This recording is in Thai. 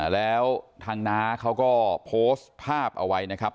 แล้วทางน้าเขาก็โพสต์ภาพเอาไว้นะครับ